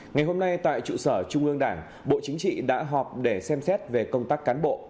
ngày hôm nay tại trụ sở trung ương đảng bộ chính trị đã họp để xem xét về công tác cán bộ